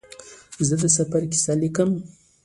زه د سفر کیسه لیکم.